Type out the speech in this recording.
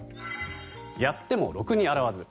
やってもろくに洗わず。